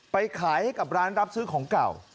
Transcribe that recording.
ไปขายให้กับร้านรับซื้อของเก่า